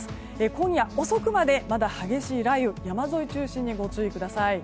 今夜遅くまで激しい雷雨山沿い中心にご注意ください。